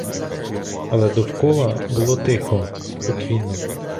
Але довкола було тихо, спокійно.